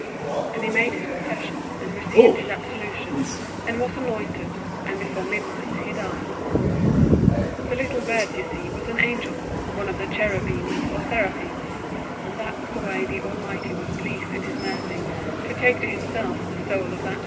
And he made his confession, and received his absolution, and was anointed, and before midnight he died. The little bird, you see, was an angel, one of the cherubims or seraphims; and that was the way the Almighty was pleased in His mercy to take to Himself the soul of that holy man.